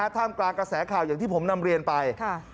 ท่ามกลางกระแสข่าวอย่างที่ผมนำเรียนไป